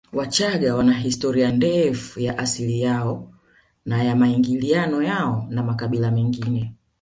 Wachagga wana historia ndefu ya asili yao na ya maingiliano yao na makabila mengine